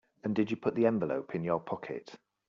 And did you put the envelope in your pocket?